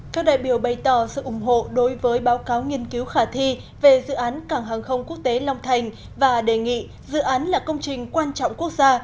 các đại biểu bày tỏ sự ủng hộ đối với báo cáo nghiên cứu khả thi về dự án cảng hàng không quốc tế long thành và đề nghị dự án là công trình quan trọng quốc gia